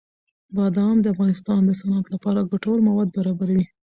بادام د افغانستان د صنعت لپاره ګټور مواد برابروي.